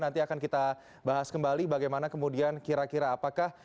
nanti akan kita bahas kembali bagaimana kemudian kira kira apakah